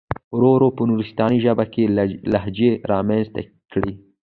ورو ورو په نورستاني ژبه کې لهجې را منځته کړي.